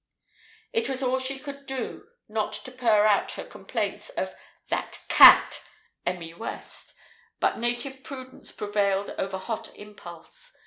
It was all she could do not to purr out her complaints of "that cat, Emmy West," but native prudence prevailed over hot impulse.